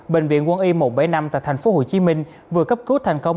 bệnh viện quân y một trăm bảy mươi năm tại thành phố hồ chí minh vừa cấp cứu thành công